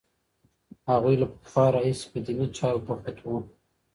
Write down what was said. هغوی له پخوا راهیسې په دیني چارو بوخت وو.